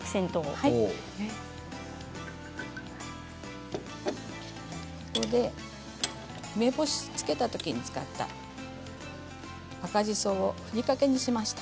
ここで梅干しを漬けたときに使った赤じそをふりかけにしました。